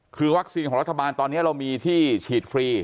คือวัคซีนของรัฐบาลตอนนี้เรามีที่ฉีดฟรี